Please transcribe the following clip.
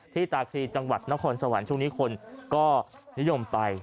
ตาคลีจังหวัดนครสวรรค์ช่วงนี้คนก็นิยมไป